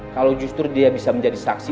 kalau justru dia bisa menjadi saksi